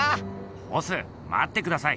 ボスまってください。